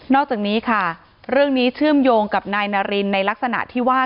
อกจากนี้ค่ะเรื่องนี้เชื่อมโยงกับนายนารินในลักษณะที่ว่า